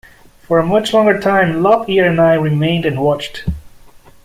For a much longer time Lop-Ear and I remained and watched.